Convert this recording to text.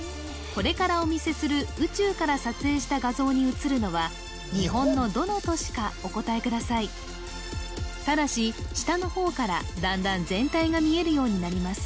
これからお見せする宇宙から撮影した画像にうつるのは日本のどの都市かお答えくださいただし下の方からだんだん全体が見えるようになります